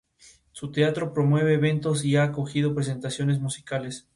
Su teatro promueve eventos y ha acogido presentaciones musicales.